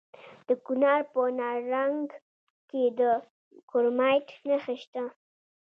د کونړ په نرنګ کې د کرومایټ نښې شته.